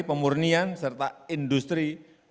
pemurnian serta industri